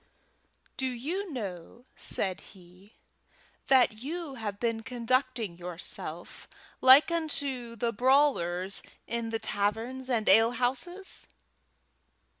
"Do you know," said he, "that you have been conducting yourself like unto the brawlers in the taverns and ale houses?"